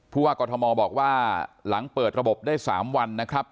ว่ากรทมบอกว่าหลังเปิดระบบได้๓วันนะครับ